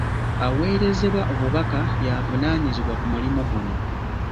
Aweerezebwa obubaka y'avunaanyizibwa ku mulimu guno.